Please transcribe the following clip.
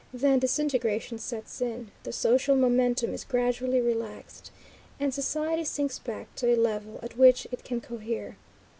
Then disintegration sets in, the social momentum is gradually relaxed, and society sinks back to a level at which it can cohere.